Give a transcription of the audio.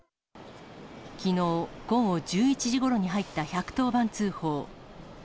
きのう午後１１時ごろに入った、１１０番通報。